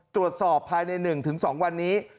ตรวจสอบภายในหนึ่งถึงสองวันนี้